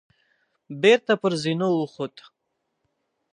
بېرته پر زينو وخوت.